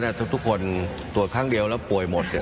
ถ้าตรวจทั้งเดียวและป่วยหมด